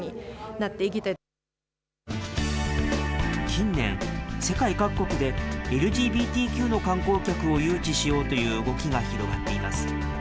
近年、世界各国で、ＬＧＢＴＱの観光客を誘致しようという動きが広がっています。